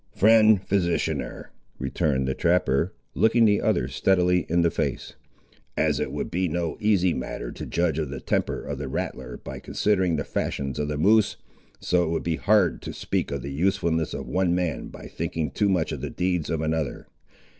"Friend physicianer," returned the trapper, looking the other steadily in the face, "as it would be no easy matter to judge of the temper of the rattler by considering the fashions of the moose, so it would be hard to speak of the usefulness of one man by thinking too much of the deeds of another.